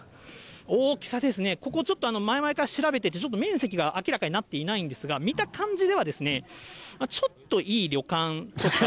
大きさですね、ここ、ちょっと前々から調べていて、ちょっと面積が明らかになっていないんですが、見た感じでは、ちょっといい旅館とか。